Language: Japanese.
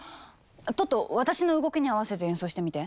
トット私の動きに合わせて演奏してみて。